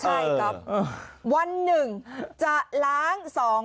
ใช่ครับวันหนึ่งจะล้าง๒๐๐บาท